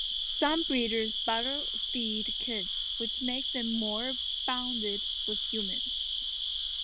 Some breeders bottle-feed kids, which makes them more bonded with humans.